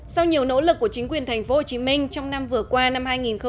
sau nhiều nỗ lực của chính quyền tp hcm trong năm vừa qua năm hai nghìn một mươi chín